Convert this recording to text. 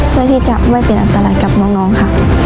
เพื่อที่จะไม่เป็นอันตรายกับน้องค่ะ